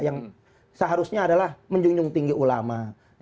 yang seharusnya adalah menjunjung tinggi ulama